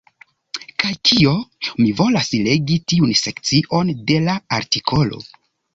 Kaj kio? Mi volas legi tiun sekcion de la artikolo.